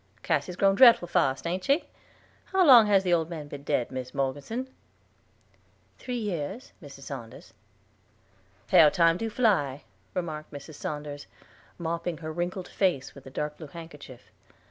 Cassy's grown dreadful fast, ain't she? How long has the old man been dead, Mis Morgeson?" "Three years, Mrs. Saunders." "How time do fly," remarked Mrs. Saunders, mopping her wrinkled face with a dark blue handkerchief.